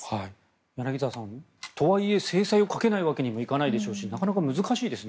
柳澤さんとはいえ、制裁をかけないわけにもいかないでしょうしなかなか難しいですね。